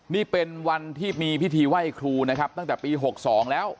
นี่เป็นวันที่มีพิธีไหว้ครูนะครับตั้งแต่ปี๖๒แล้ว